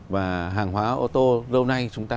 và hàng hóa ô tô lâu nay chúng ta